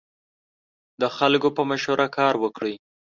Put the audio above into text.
د خلکو په مشوره کار وکړئ.